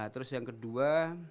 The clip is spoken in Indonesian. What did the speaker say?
terus yang kedua